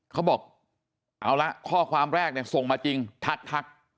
เขาบอกเอาละข้อความแรกเนี่ยส่งมาจริงทัก